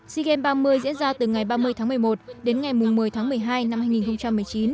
sea games ba mươi diễn ra từ ngày ba mươi tháng một mươi một đến ngày một mươi tháng một mươi hai năm hai nghìn một mươi chín